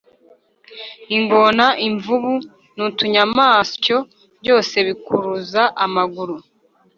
ingona, imvubu, nutunyamasyo byose bikuruza amaguru